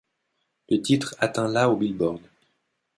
Le titre atteint la au Billboard.